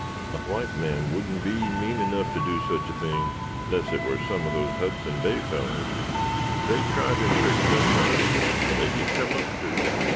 "A white man wouldn't be mean 'nough to do sich a thing, 'less it war some of those Hudson Bay fellers. They try them tricks sometimes, but they git come up to.